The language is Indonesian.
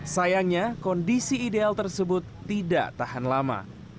sayangnya kondisi ideal tersebut tidak tahan lama